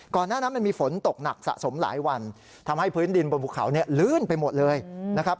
หน้านั้นมันมีฝนตกหนักสะสมหลายวันทำให้พื้นดินบนภูเขาเนี่ยลื่นไปหมดเลยนะครับ